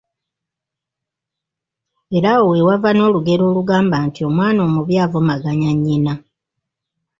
Era awo we wava n’olugero olugamba nti, “Omwana omubi avumaganya nnyina.”